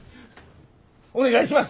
お願いします！